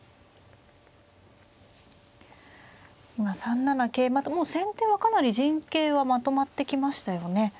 今３七桂馬ともう先手はかなり陣形はまとまってきましたよね。